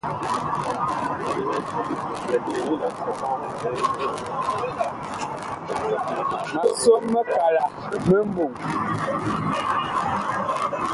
Ma som mikala mi mɓɔŋ.